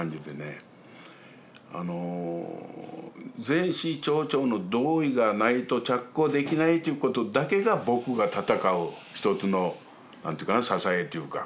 全市町長の同意がないと着工できないということだけが僕が闘う一つのなんていうかな支えというか